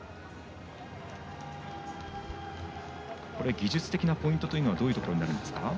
技術的なポイントはどういうところになるんですか。